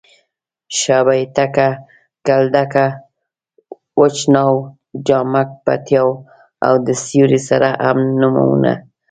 شابېتکه، کډلک، وچ ناو، جامک پېتاو او د سیوري سر هم نومونه دي.